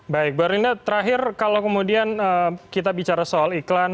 baik bu arinda terakhir kalau kemudian kita bicara soal iklan